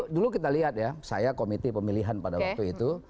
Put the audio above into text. dulu kita lihat ya saya komite pemilihan pada waktu itu